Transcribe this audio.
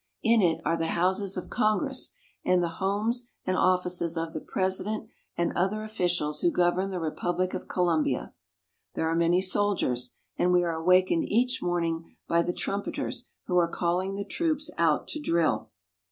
In it are the houses of Congress and the homes and offices of the president and other officials who govern the Repub lic of Colombia. There are many soldiers, and we are awakened each morning by the trumpeters who are calling the troops out to drill.